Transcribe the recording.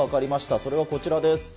それはこちらです。